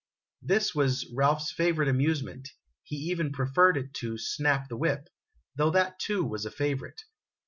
This was Ralph's favorite amusement ; he even preferred it to " snap the whip," though that, too, was a favorite.